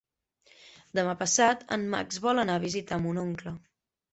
Demà passat en Max vol anar a visitar mon oncle.